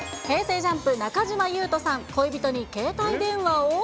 ＪＵＭＰ・中島裕翔さん、恋人に携帯電話を。